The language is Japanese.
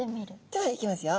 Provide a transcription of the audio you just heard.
ではいきますよ。